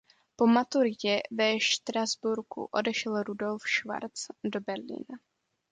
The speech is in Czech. Po maturitě ve Štrasburku odešel Rudolf Schwarz do Berlína.